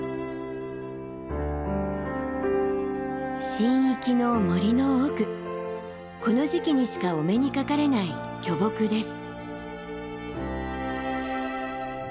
神域の森の奥この時期にしかお目にかかれない巨木です。